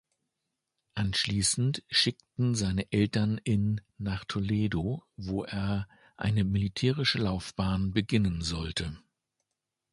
Anschließend schickten seine Eltern in nach Toledo, wo er eine militärische Laufbahn beginnen sollte.